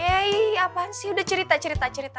hei apaan sih udah cerita cerita cerita